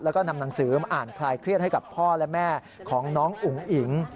แล้วก็นำหนังสือมาอ่านคลายเครียดให้กับพ่อและแม่ของน้องอุ๋งอิ๋ง